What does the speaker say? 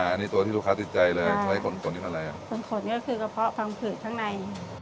อันนี้ตัวที่ลูกค้าติดใจเลยอ่าไว้ขนนี่เป็นอะไรอ่ะขนนี่ก็คือกระเพาะพังผืดทั้งใน